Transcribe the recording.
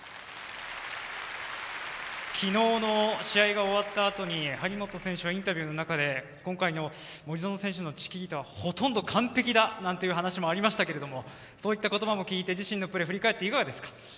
昨日の試合が終わったあとに張本選手はインタビューの中で森薗選手のチキータはほとんど完璧だなんていう話もありましたがその言葉を聞いて振り返って、いかがですか？